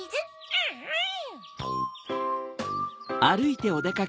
アンアン。